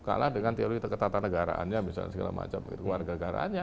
kalah dengan teori ketatanegaraannya misalnya segala macam keluarga negaraannya